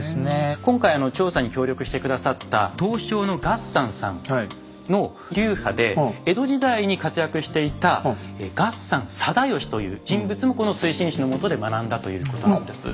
今回調査に協力して下さった刀匠の月山さんの流派で江戸時代に活躍していた月山貞吉という人物もこの水心子の下で学んだということなんです。